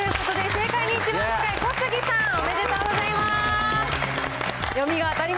はい、ということで、正解に一番近い小杉さん、おめでとうございます！